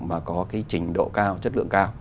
mà có trình độ cao chất lượng cao